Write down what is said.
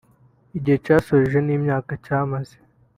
igihe cyasoreje n’imyaka cyamaze